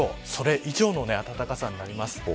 以上の暖かさとなります。